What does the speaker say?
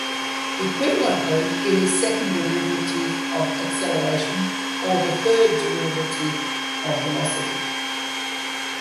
Equivalently, it is second derivative of acceleration or the third derivative of velocity.